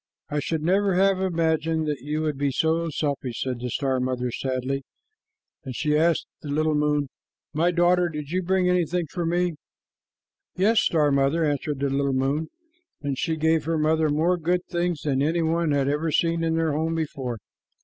"I should never have imagined that you would be so selfish," said the star mother sadly, and she asked the little moon, "My daughter, did you bring anything for me?" "Yes, star mother," answered the little moon, and she gave her mother more good things than any one had ever seen in their home before.